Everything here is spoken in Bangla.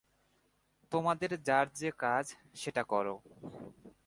তোমাদের যার যে কাজ, সেটা কর।